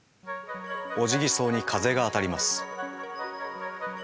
オジギソウに風が当たります。